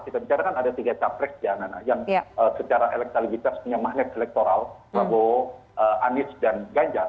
kita bicara kan ada tiga capres ya nana yang secara elektronikitas punya mahnet elektoral prabowo anies dan ganjar